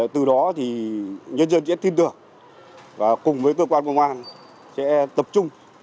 từ đó thì nhân dân sẽ tin tưởng và cùng với cơ quan công an sẽ tập trung